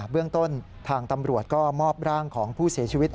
เรื่องต้นทางตำรวจก็มอบร่างของผู้เสียชีวิต